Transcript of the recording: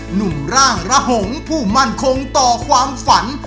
หนุ่มร่างระหงผู้มั่นคงต่อความฝัน